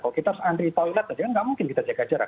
kalau kita harus antri toilet saja tidak mungkin kita jaga jarak